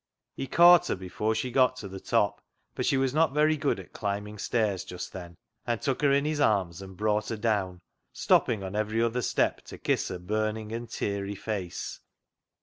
He caught her before she got to the top, for she was not very good at climbing stairs just then, and took her in his arms and brought her down, stopping on every other step to kiss her burning and teary face.